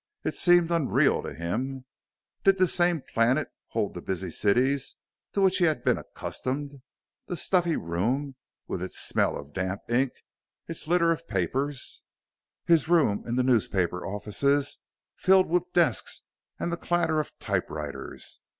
It seemed unreal to him. Did this same planet hold the busy cities to which he had been accustomed? The stuffy room, with its smell of damp ink, its litter of papers his room in the newspaper offices, filled with desks and the clatter of typewriters?